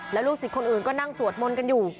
แล้วลูกศิษย์คนอื่นก็นั่งสวดมนต์กันอยู่